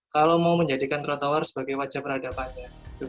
kalau mau menjadikan trotoar sebagai wajah peradabannya